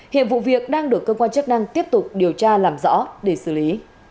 hiện vụ việc đang được cơ quan chức năng tiếp tục điều tra làm rõ để xử lý